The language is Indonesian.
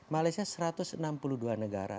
malaysia satu ratus enam puluh dua negara